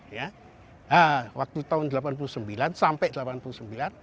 nah waktu tahun seribu sembilan ratus delapan puluh sembilan sampai delapan puluh sembilan